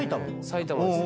埼玉です。